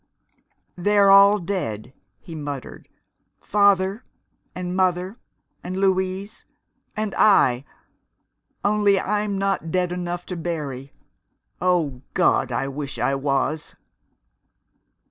"They're all dead," he muttered. "Father and Mother and Louise and I only I'm not dead enough to bury. Oh, God, I wish I was!"